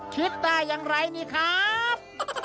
คิดได้อย่างไรนี่ครับ